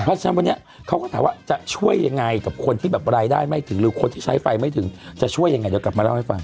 เพราะฉะนั้นวันนี้เขาก็ถามว่าจะช่วยยังไงกับคนที่แบบรายได้ไม่ถึงหรือคนที่ใช้ไฟไม่ถึงจะช่วยยังไงเดี๋ยวกลับมาเล่าให้ฟัง